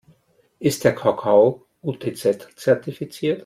Ist der Kakao UTZ-zertifiziert?